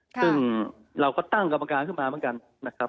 ซึ่งเราก็ตั้งกรรมการขึ้นมาเหมือนกันนะครับ